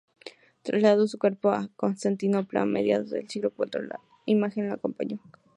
Trasladado su cuerpo a Constantinopla, a mediados del siglo cuarto, la imagen lo acompañó.